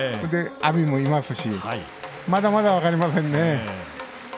阿炎もいますしまだまだ分かりません。